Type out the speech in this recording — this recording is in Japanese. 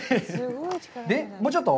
もうちょっと？